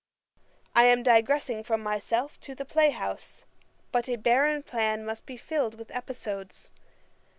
I am digressing from myself to the play house; but a barren plan must be filled with episodes.